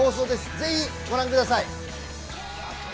ぜひご覧ください。